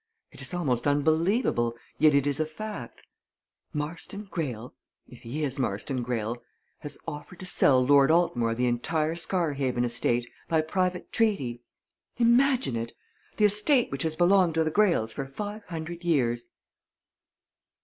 It is almost unbelievable, yet it is a fact. Marston Greyle if he is Marston Greyle! has offered to sell Lord Altmore the entire Scarhaven estate, by private treaty. Imagine it! the estate which has belonged to the Greyles for five hundred years!"